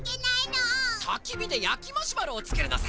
たきびでやきマシュマロをつくるのさ。